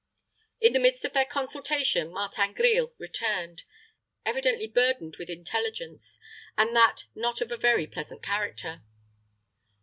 In the midst of their consultation Martin Grille returned, evidently burdened with intelligence, and that not of a very pleasant character.